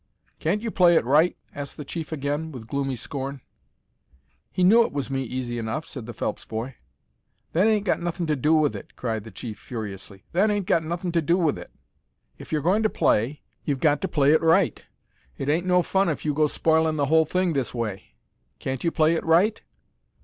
"Can't you play it right?" asked the chief again, with gloomy scorn. "He knew it was me easy enough," said the Phelps boy. "That 'ain't got nothin' to do with it," cried the chief, furiously. "That 'ain't got nothin' to do with it. If you're goin' to play, you've got to play it right. It ain't no fun if you go spoilin' the whole thing this way. Can't you play it right?"